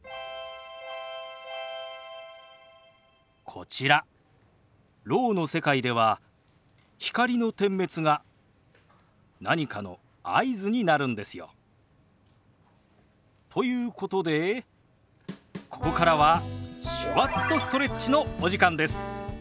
こちらろうの世界では光の点滅が何かの合図になるんですよ。ということでここからは「手話っとストレッチ」のお時間です。